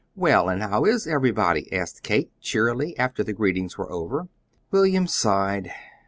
"Well, and how is everybody?" asked Kate, cheerily, after the greetings were over. William sighed.